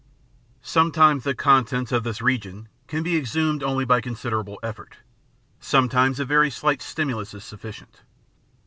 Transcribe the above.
Sometimes the contents of this region can be exhwned only by considerable effort, sometimes a very slight stimulus is sufficient.